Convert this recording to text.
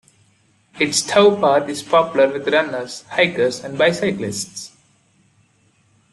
Its towpath is popular with runners, hikers, and bicyclists.